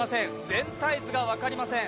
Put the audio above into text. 全体図が分かりません。